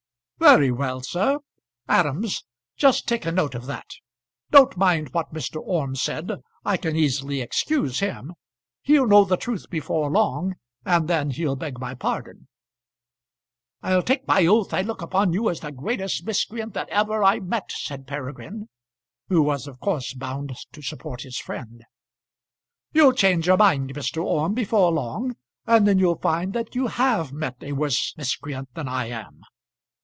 "Very well, sir. Adams, just take a note of that. Don't mind what Mr. Orme said. I can easily excuse him. He'll know the truth before long, and then he'll beg my pardon." "I'll take my oath I look upon you as the greatest miscreant that ever I met," said Peregrine, who was of course bound to support his friend. "You'll change your mind, Mr. Orme, before long, and then you'll find that you have met a worse miscreant than I am.